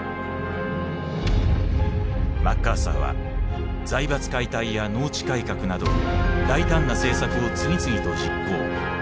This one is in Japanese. マッカーサーは財閥解体や農地改革など大胆な政策を次々と実行。